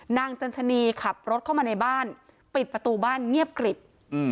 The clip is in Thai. จันทนีขับรถเข้ามาในบ้านปิดประตูบ้านเงียบกริบ